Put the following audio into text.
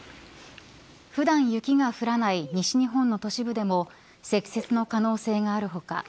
普段、雪が降らない西日本の都市部でも積雪の可能性がある他